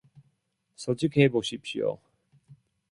솔직해보십시오